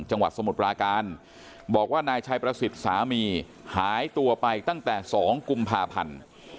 สมุทรปราการบอกว่านายชัยประสิทธิ์สามีหายตัวไปตั้งแต่๒กุมภาพันธ์